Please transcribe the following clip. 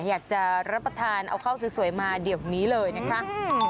อยากจะรับประทานเอาข้าวสวยมาเดี๋ยวนี้เลยนะคะ